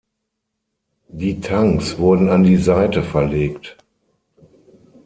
Die Tanks wurden an die Seite verlegt.